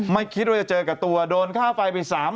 ไม่คิดว่าจะเจอกับตัวโดนค่าไฟไป๓๐๐